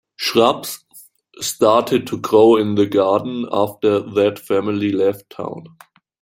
Shrubs started to grow in the garden after that family left town.